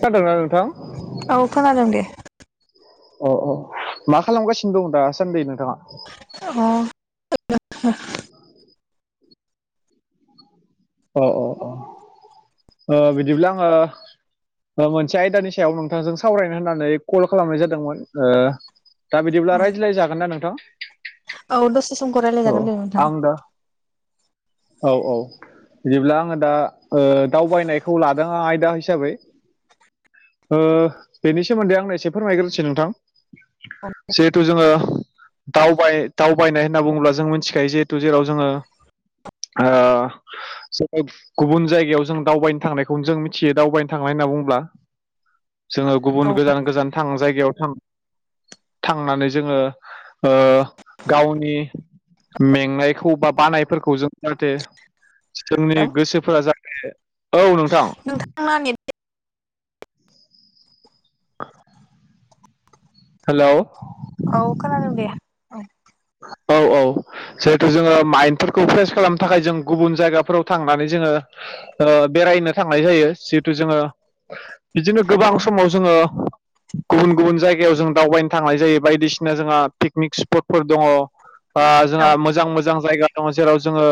खोनादोंना नोंथां? औ खोनादों दे अ-अ मा खालामगासिनो दं दासान्दि नोंथाङा? अ अ-अ-अ बिदिब्ला आङो मोनसे आयदानि सायाव नोंथांजों सावरायनो होननानै कल खालामनाय जादोंमोन? ओ दा बिदिब्ला रायज्लाय जागोन ना नोंथां? औ दसे समखौ अ- रायलायजागोन दे नोंथां। आं दा औ-औ बिदिब्ला आङो दा ओ दावबायनायखौ लादों आं आयदा हिसाबै। ओ बेनि सोमोन्दै आंनो एसे फोरमायग्रोनोसै नोंथां। जिहेथु जोङो दावबाय दावबायनाय होनना बुङोब्ला जों मिथिखायो जिहेथु जेराव जोङो गुबुन जायगायाव जों दावबायनो थांनायखौ जों मिथियो दावबायनो थांनाय होनना बुंङोब्ला। [inaudible] [unintelligible] जोङो औ गुबुन गोजान गोजान थां जायगायाव थां थांनानै जोङो ओ गावनि मेंनायखौ बा बानायफोरखौ जों जाहाथे जोंनि हेल' गोसोफोरा जाहे औ नोंथां। नोंथांना नेट हेल' औ खोनादों दे। औ औ-औ जिहेथु जोङो माइन्डफोरखौ फ्रेस खालामनो थाखाय जों गुबुन जायगाफोराव थांनानै जोङो ओ बेरायनो थांनाय जायो जिहेथु जोङो बिदिनो गोबां औ समाव जोङो गुबुन-गुबुन जायगायाव जों दावबायनो थांनाय जायो बायदिसिना जोंहा पिकनिक स्पटफोर दङ ओ जोंहा मोजां मोजां जायगा दङ जेराव जोङो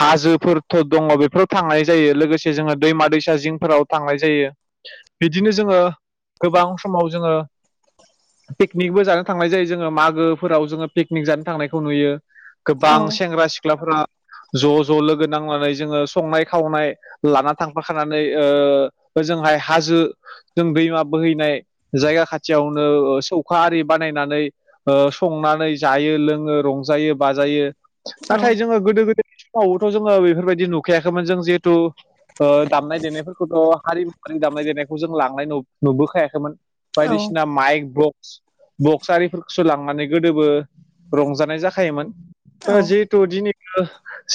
हाजोफोरथ' दङ बेफोराव थांनाय जायो लोगोसे जोङो दैमा-दैसा जिंफोराव थांनाय जायो। बिदिनो जोङो गोबां समाव जोङो पिकनिकबो जानो थांनाय जायो जोङो मागोफोराव जोङो पिकनिक जानो थांनायखौ नुयो औ गोबां सेंग्रा सिख्लाफोरा ज'-ज' लोगो नांनानै जोङो संनाय खावनाय। लाना थांफाखानानै ओ ओजोंहाय हाजो जों दैमा बोहैनाय जायगा खाथियावनो ओ सौखा आरि बानायनानै ओ संनानै जायो लोङो रंजायो बाजायो नाथाय जोङो गोदो गोदाय फ्रावबोथ' जोङो बेफोरबायदि नुखायाखैमोन जों जिहेथु दामनाय देनायफोरखौथ' हारिमुवारि दामनाय देनायखौ जों लांनाय नु नुबोखायाखैमोन औ बायदिसिना माइक ब्लक बक्स आरिफोरखौसो लांनानै गोदोबो रंजानाय जाखायोमोन औ जिहेथु दिनैबो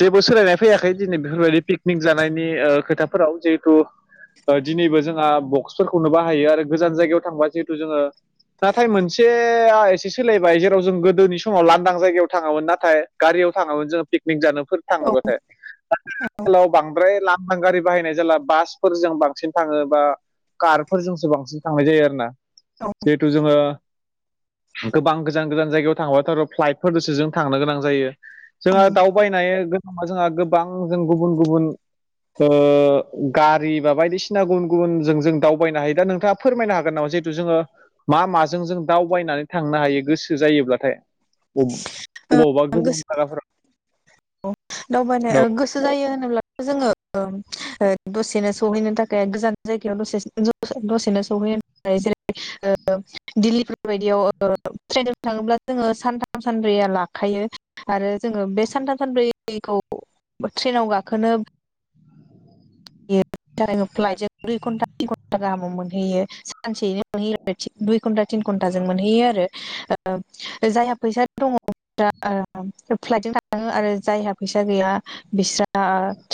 जेबो सोलायनाय फैयाखै दिनै बेफोरबायदि पिकनिक जानायनि ओ खोथाफोराव जिहेथु ओ दिनैबो जोंहा बक्सफोरखौनो बाहायो आरो गोजान जायगायाव थांबा जिहेथु जोङो नाथाय मोनसेआ एसे सोलायबाय जेराव जों गोद गोदोनि समाव लांदां जायगायाव थाङामोन नाथाय गारियाव थाङामोन जोङो पिकनिक जानो फोर थाङोबाथाय [unintelligible] आथिखालाव बांद्राय लां [unintelligible] गारि बाहायनाय जेला बासफोरजों बांसिन थाङो बा कारफोरजोंसो बांसिन थांनाय जायो आरोना औ जिहेथु जोङो गोबां गोजान गोजान जायगायाव थांङोबाथ [unintelligible] प्लाइट फोरजोंसो जों थांनो गोनां जायो जोंहा दावबाय नायो गोमा [unintelligible] जोंहा गोबां जों गुबुन गुबुन ओ गारि बा बायदिसिना गुबुन गुबुनजों जों दावबायनो हायो दा नोंथाङा फोरमायनो हागोन नामा जेहेथु जोङो मा माजों जोङो दावबायनानै थांनो हायो गोसो जायोब्ला थाय अब अबावबा उम गोजाम जागाफोराव दावबायनो ओ गोसो जायो होनोब्ला जोङो ओम ओ दसेनो सहैनो थाखाय गोजान जायगायावल' सेस जो दसेनो सहैयो जेरै ओ दिल्लीफोरबायदियाव ओ ट्रेनजों थाङोब्ला जोङो सानथाम सानब्रैया लाखायो आरो जोङो बे सानथाम सानब्रै [unintelligible] खौ ट्रेनाव गाखोनो [unintelligible] प्लाइट जों दुय घन्टा तिन घन्टा गाहामाव मोनहैयो सानसेयैनो मोनहैयो [unintelligible] दुइ घन्टा तिन घन्टाजों मोनहैयो आरो ओ जायहा फैसा दङ दा ओम फ्लाइटजों थाङो आरो जायहा फैस सा गैया बिस्रा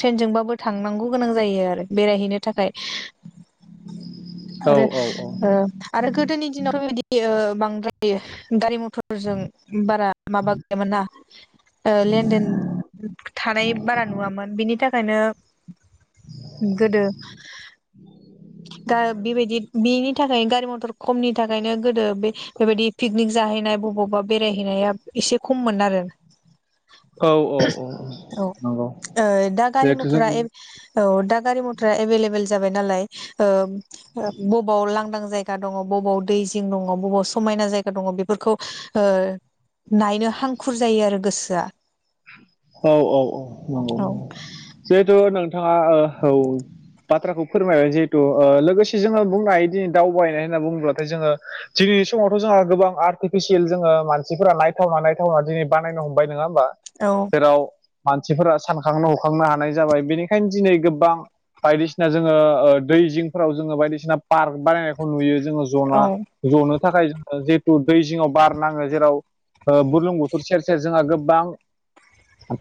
ट्रेनजोंबाबो थांनांगौ गोनां जायो आरो बेरायहैनो थाखाय औ आरो औ ओ औ आरो गोदोनि दिनाव बेबायदि ओ बांद्राय गारि मथ फोरजों बारा माबा गैयामोन ना ओ लेनदेन थानाय बारा नुवामोन बिनि थाखायनो गोदो दा बेबायदि बिनि थाखायनो गारि मथर खमनि थाखायनो गोदो बे बेबायदि पिकनिक जाहैनाय बबावबा बेरायहैनाया इसे खममोन आरो औ औ औ औ नंगौ ओ दा गारि जिहेथु जों मथरा एब औ दा गारि मथरा एभेलेबेल जाबाय नालाय ओब ओ बबाव लांदां जायग गा दङ बबाव दै जिं दङ बबाव समायना जायगा दं बेफोरखौ ओ नायनो हांखुर जायो आरो गोसोआ औ औ औ नंगौ औ जिहेथु नोंथाङा ओ औ बाथ्राखौ फोरमायबाय जिहेथु ओ लोगोसे जोङो बुंनो हायो दिनै दावबायनाय होनना बुङोब्लाथाय जोङो दिनैनि समावथ' जोंहा गोबां आर्टिफिसियेल जोङो मानसिफोरा नायथावना नायथावना दिनै बानायनो हमबाय नङा होमबा औ जेराव मानसिफोरा सानखांनो हखांनो हानाय जाबाय बेनिखायनो दिनै गोबबां बायदिसिना जोङो ओ दै जिंफोराव जोङो बायदिसिना पार्क बानायनायखौ नुयो जोङो औ जना जनो थाखाय जिहेथु दै जिङाव बार नाङो जेराव ओ बुरलुंबुथुर सेर सेर जोंहा गोबबां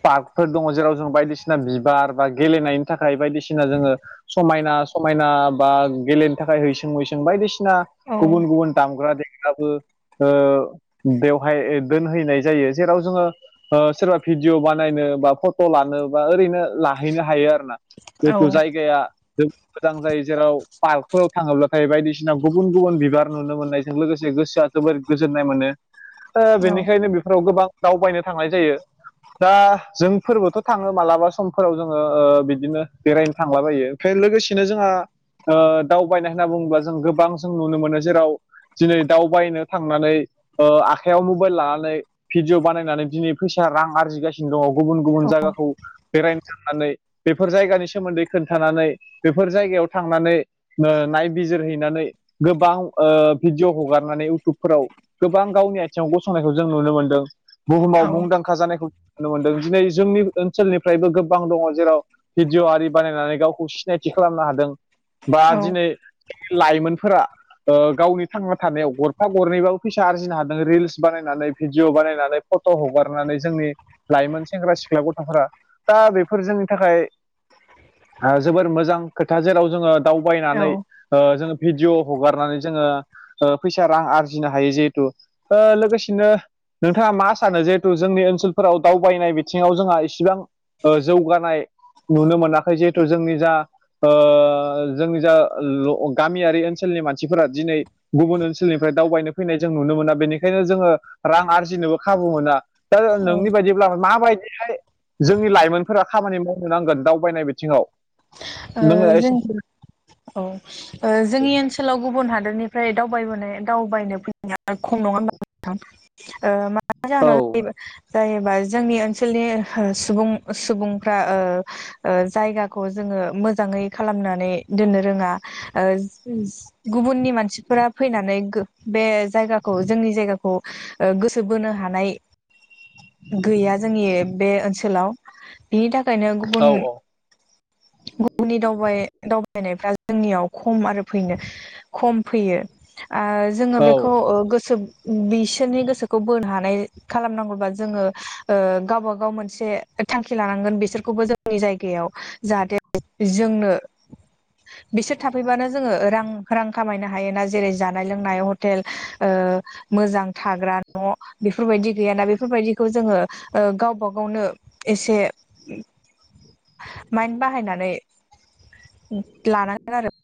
पार्कफोर दङ जेराव जों बायदिसिना बिबार बा गेलेनायनि थाखाय बायदिसिना जोङो समायना समायना बा गेलेनो थाखाय हैसां मैसां बायदिसि ना औ गुबुन गुबुन दामग्रा देग ग्राबो ओ बेवहाय दोनहैनाय जायो जेराव जोङो ओ सोरबा भिडिअ बानायनो बा फट' लानो बा ओरैनो लाहैनो हायो आरो ना। जेतु औ जायगाया जों मोजां जायो जेराव पार्कफोराव थाङोब्लाथाय बायदिसिना गुबुन गुबुन बिबार नुनो मोननायजों लोगोसे गोसोआ जोबोर गोजोननाय मोनो ओ औ बेनिखायनो बेफोराव गोबां दावबायनो थांनाय जायो। दा जोंफोरबोथ' थाङो मालाबा समफोराव जोङो ओ बिदिनो बेरायनो थांलाबायो। फाय लोगोसेनो जोंहा ओ दावबायनाय होनना बुङोब्ला जों गोबां जों नुनो मोनो जेराव दिनै दावबायनो थांनानै ओ आखाइयाव मबाइल लानानै भिडिय' बानायनानै दिनै फैसा रां आरजिगासिनो दङ गुबुन गुबुन जागाखौ बेरायनो थांनानै बेफोर जायगानि सोमोन्दै खोन्थानानै बेफोर जायगायाव थांनानै नो नायबिजिरहैनानै गोबां ओ भिडिय' हगारनानै इउटुबफोराव गोबां गावनि आथिङाव गसंनायखौ जों नुनो मोनदों बुहुमाव मुंदांखा जानायखौ नुनो मोनदों दिनै जोंनि ओनसोलनिफ्रायबो गोबां दङ जेराव भिडिय' आरि बानायनानै गावखौ सिनायथि खालामनो हादों बा औ दिनै लाइमोनफोरा ओ गावनि थांना थानायाव गरफा गरनैबाबो फैसा आरजिनो हादों रिल्स बानायनानै भिडिय' बानायनानै फट' हगारनानै जोंनि लाइमोन सेंग्रा सिख्ला गथ'फोरा दा बेफोर जोंनि थाखाय ओ जोबोर मोजां खोथा जेराव जोङो औ दावबायनानै औ ओ जोङो भिडिय' हगारनानै जोङो ओ फैसा रां आरजिनो हायो जिहेथु ओ लोगोसेनो नोंथाङा मा सानो जिहेथु जोंनि ओनसोल फोराव दावबायनाय बिथिङाव जोंहा इसिबां जौगानाय नुनो मोनाखै जिहेथु जोंनि जा ओ जोंनि जा ल गामियारि ओनसोलनि मानसिफोरा दिनै गुबुन ओनसोलनिफ्राय दावबायनो फैनाय जों नुनो मोना बेनिखायनो जोङो रां आरजिनोबो खाबु मोना। ओ [unintelligible] ब्ला माबायदिहाय जोंनि लाइमोनफोरा खामानि मावनो नांगोन दावबायनाय बिथिङाव नोङो ओ‌ जों एसे औ ओ जोंनि ओनसोलाव गुबुन हादोरनिफ्राय दावबायबोनाय दावबायनो फै [unintelligible] खम नङा होनबा नोंथां औ ओ‌ [unintelligible] जायोबा जोंनि ओनसोलनि ओ सुबुं सुबुंफ्रा ओ ओ जायगाखौ जोङो मोजाङै खालामनानै दोननो रोङा ओ जो जो गुबुननि मानसिफोरा फैनानै गो बे जायगाखौ जोंनि जायगाखौ खौ गोसो बोनो हानाय गैया जोंनि बे ओनसोलाव बिनि थाखायनो औ गुबुन गुबुननि दावबाय दाव फैनायफ्रा जोंनियाव खम आरो फैनो खम फैयो आं जों जोङो औ बेखौ ओ गोसो बिसोरनि गोसोखौ बोनो हानाय खालामनांगौबा जोङो ओ गावबा गाव मोनसे थांखि लानांगोन बिसोरखौबो जोंनि जायगायाव जाहाथे जोंनो बिसोर थाफैबानो जोङो रां रां खामायनो हायो ना ज जेरै जानाय लोंनाय हटेल ओ मोजां थाग्रा न' बेफोरबायदि गैयाना बेफोरबायदिखौ जोङो ओ गावबा गावनो एसे [inaudible] माइन बाहायनानै लानांगोन आरो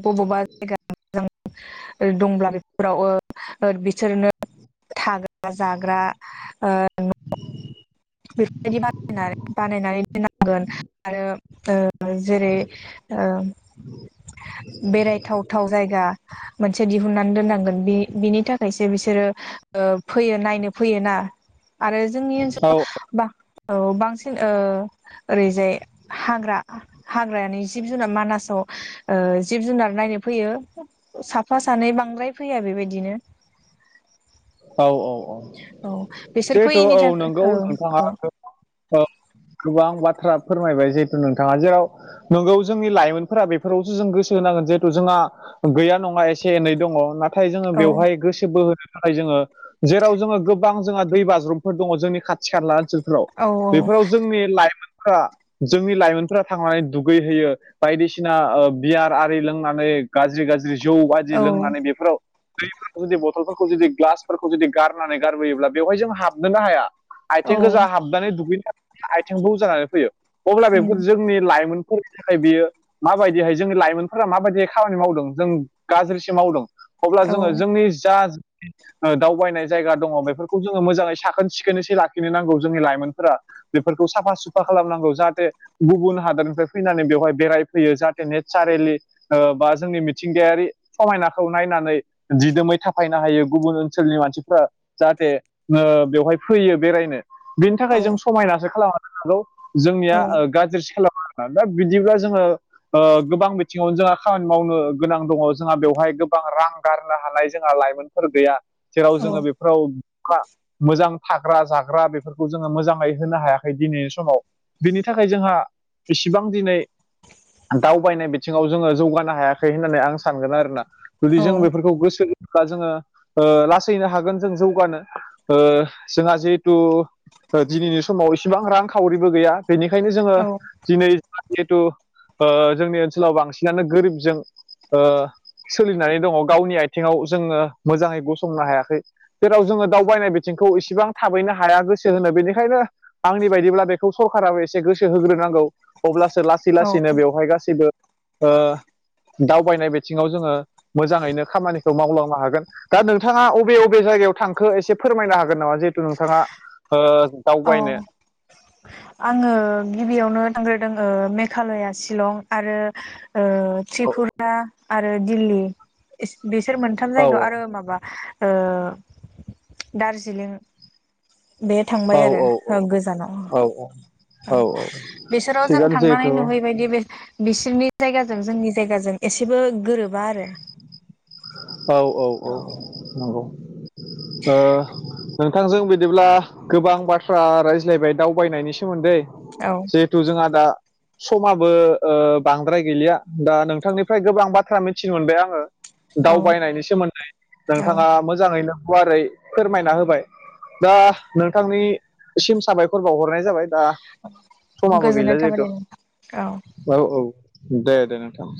अबावबा जायगा जों दंब्ला बेफोराव ओ बिसोरनो थागोन जाग्रा न' बेफोरबायदि बानाय बानायनानै दोननांगोन आरो जेरै ओ [inaudible] बेरायथावथाव जायगा मोनसे दिहुननानै दोननांगोन बि बिनि थाखायसो बिसोरो फैयो नायनो फैयो ना आरो जोंनि औ ओनसोलाव बांसिन ओरैजाय हाग्रा हाग्रायानि जिब जुनार मानासाव जिब जुनार नायनो फैयो साफा सानै बांद्राय फैया बेबायदिनो औ औ औ औ बिसोर जिहेथु फैयैनि औ थाखाय नंगौ औ नोंथाङा औ औ। गोबां बाथ्रा फोरमायबाय जिहेथु नोंथाङा जेराव नंगौ जोंनि लाइमोनफोरा बेफोरावसो जों गोसो होनांगोन जिहेथु जोंहा गैया नङा एसे एनै दङ नाथाय जोङो औ बेवहाय गोसो बोहो थाखाय जोङो जेराव जोङो गोबां जोंहा दै बाज्रुमफोर दङ जोंनि खा सिखला ओनसोलफ्राव औ बेफोराव जोंनि लाइमोनफोरा जोंनि लाइमोनफोरा थांनानै दुगैहयो बायदिसिना बियार आरि लोंनानै गाज्रि गाज्रि जौ बदि औ लोंनानै बेफोराव दैफोराव जुदि बथलफोरखौ खौ जुदि ग्लासफोरखौ जुदि गारनानै गारबोयोब्ला बेवहाय जों हाबनोनो हाया औ आथिं गोजा हाबनानै दुगैनाय आथिंबो जानानै फैयो अब्ला उम बेफोर जोंनि लाइमोन नि थाखाय बियो माबायदिहाय जोंनि लाइमोनफोरा माबायदिहाय खामानि मावदों जों गाज्रिसो मावदों अब्ला औ जोङो जोंनि जा [inaudible] दावबायनाय जायगा दङ बेफोरखौ जोङो मोजाङै साखोन सिखोनैसो लाखिनो नांगौ जोंनि लाइमोनफोरा बेफोरखौ साफा सुफा खालामनांगौ जाहाथे गुबुन हादरनिफ्राय फैनानै बेवहाय बेरायफैयो जाहाथे नेचारेलि बा जोंनि मिथिंगायारि समायनाखौ नायनानै दिदोमै थाफायनाय हायो गुबुन ओनसोलनि मानसिफ्रा जाहाथे बेवहाय फैयो बेरायनो बेनि औ थाखाय जों समायनासो खालामनो हागौ औ जोंनिया गाज्रि स दा बिदिब्ला जोङो गोबां बिथिङावनो जोंहा खामानि मावनो गोनां दङ जोंहा बेवहाय गोबां रां गारनो हानाय जोंहा लाइमोन फोर गैया जेराव जोङो बेफोराव मोजां थाग्रा जाग्रा बेफोरखौ जोङो मोजाङै होनो हायाखै दिनैनि समाव बिनि थाखाय जोंहा इसिबां दिनै दावबायनाय बिथिङाव जोङो जौगानो हायाखै होननानै आं सानगोन आरोना जुदि औ जों बेफोरखौ गोसो होनोब्ला जोङो लासैनो हागोन जों जौगानो जोंहा जिहेथु दिनैनि समाव इसेबां रां खावरिबो गैया बेनिखायनो जोङो औ दिनै जिहेथु जोंनि ओनसोलाव बांसिनानो गोरिबजों ओ सोलिनानै दङ गावनि आथिङाव जोङो मोजाङै गसंनो हायाखै जेराव जोङो दावबायनाय बिथिंखौ इसेबां थाबैनो हाया गोसो होनो बेनिखायनो आंनि बायदिब्ला बेखौ सरकाराबो एसे गोसो होग्रोनांगौ अब्लासो लासै लासैनो बेवहाय गाैबो दावबायनाय बिथिङाव जोङो मोजाङैनो खामानिखौ मावलांनो हागोन दा नोंथाङा अबे अबे जायगायाव थांखो एसे फोरमायनो हागोन नामा जिहेथु नोंथाङा ओ ओ दावबायनो आङो गिबियावनो थांग्रोदों मेघालया शिलं आरो ओ त्रिपुरा आरो दिल्ली बिस-बिसोर मोनथाम औ जायगायाव आरो माबा ओ दार्जिलिं बे थांबाय औ आरो ओं गोजानाव औ औ औ बिसोराव जों थिगानो थांनानै जिहेथु नुहैबायदि बे बिसोरनि जायगाजों जोंनि जायगाजों एसेबो गोरोबा आरो औ औ औ नंगौ ओ नोंथांजों बिदिब्ला गोबां बाथ्रा रायज्लायबाय दावबायनायनि सोमोन्दै औ जिहेतु जोंआ दा समाबो ओ बांद्राय गैलिया दा नोंथांनिफ्राय गोबां बाथ्रा मिथिनो मोनबाय आङो औ दावबायनायनि सोमोन्दै औ नोंथाङा मोजाङैनो गुवारै फोरमायना होबाय दा नोंथांनिसिम साबायखर बावहरनाय जाबाय दा समाबो गोजोननाय गैला थाबाय जिहेतु दे औ औ दे दे नोंथां